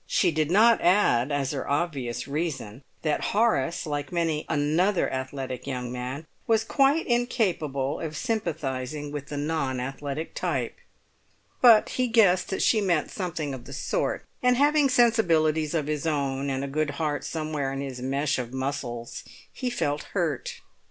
She did not add as her obvious reason that Horace, like many another athletic young man, was quite incapable of sympathising with the non athletic type. But he guessed that she meant something of the sort, and having sensibilities of his own, and a good heart somewhere in his mesh of muscles, he felt hurt.